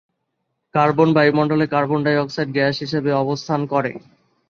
Carbon বায়ুমণ্ডলে carbon dioxide gas হিসেবে অবস্থান করে।